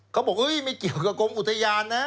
เขาบอกไม่เกี่ยวกับกรมอุทยานนะ